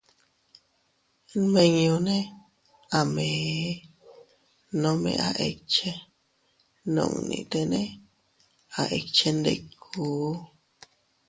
Nminñune a mee, nome a ikche, nunnitene a ikchendikuu.